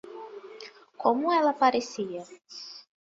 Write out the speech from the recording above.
Como ela parecia?